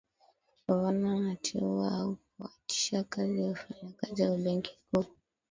gavana anateua au kuwaachisha kazi wafanyakazi wa benki kuu